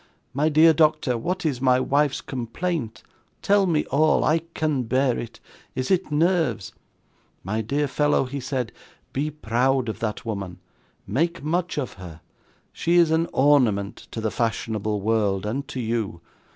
"My dear doctor, what is my wife's complaint? Tell me all. I can bear it. Is it nerves?" "My dear fellow," he said, "be proud of that woman; make much of her; she is an ornament to the fashionable world, and to you.